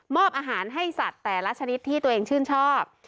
อาหารให้สัตว์แต่ละชนิดที่ตัวเองชื่นชอบ